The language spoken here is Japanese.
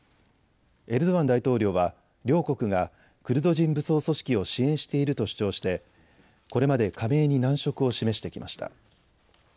エルドアン大統領は両国がクルド人武装組織を支援していると主張してこれまで加盟に難色を示してきました。